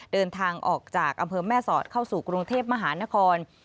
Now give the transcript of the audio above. เดินทางออกจากอำเภอแม่สอดเข้าสู่กรุงเทพมหานคร